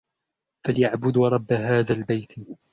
فَلْيَعْبُدُوا رَبَّ هَٰذَا الْبَيْتِ